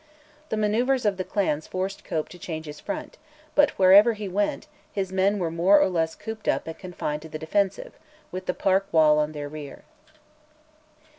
The manoeuvres of the clans forced Cope to change his front, but wherever he went, his men were more or less cooped up and confined to the defensive, with the park wall on their rear.